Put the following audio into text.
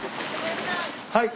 はい。